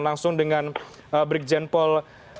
langsung dengan brickjen paul